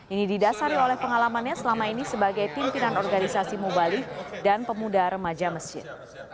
ini didasari oleh pengalamannya selama ini sebagai pimpinan organisasi mubalik dan pemuda remaja masjid